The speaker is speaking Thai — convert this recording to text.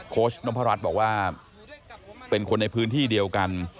ชนมพรัชบอกว่าเป็นคนในพื้นที่เดียวกัน